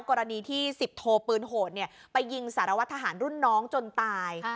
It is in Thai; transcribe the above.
กรณีที่๑๐โทปืนโหดไปยิงสารวัตรทหารรุ่นน้องจนตาย